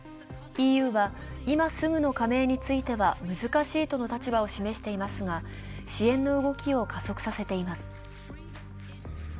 ＥＵは、今すぐの加盟については難しいとの立場を示していますが支援の動きを加速させています。